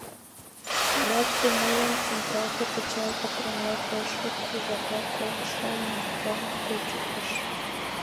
Нацумелан «централка» пычал патронла койшо кужака кок шем настам кучыктыш.